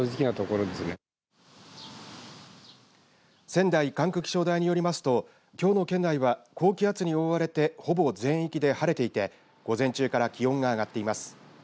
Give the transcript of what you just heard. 仙台管区気象台によりますときょうの県内は高気圧に覆われてほぼ全域で晴れていて午前中から気温が上がっています。